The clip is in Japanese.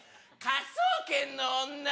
「科捜研の女」